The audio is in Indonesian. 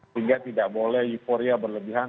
sehingga tidak boleh euforia berlebihan